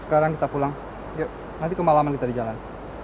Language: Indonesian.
sekarang kita pulang yuk nanti kemalaman kita di jalan